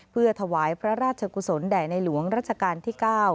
เพื่อถวายพระราชกุศลแด่ในหลวงรัชกาลที่๙